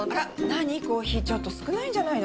何コーヒーちょっと少ないんじゃないの？